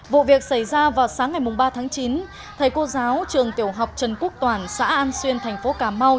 vụ việc xảy ra vào sáng ngày ba tháng chín thầy cô giáo trường tiểu học trần quốc toàn xã an xuyên thành phố cà mau